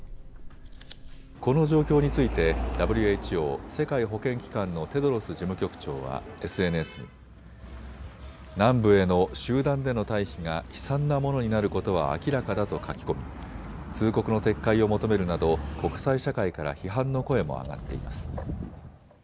この状況についてＷＨＯ・世界保健機関のテドロス事務局長はＳＮＳに南部への集団での退避が悲惨なものになることは明らかだと書き込み通告の撤回を求めるなど国際社会から批判の声も上がっています。